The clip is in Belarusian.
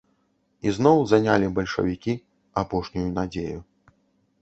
Ізноў занялі бальшавікі апошнюю надзею.